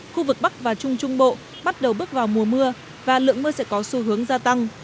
khu vực bắc và trung trung bộ bắt đầu bước vào mùa mưa và lượng mưa sẽ có xu hướng gia tăng